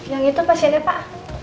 yang itu pasiennya pak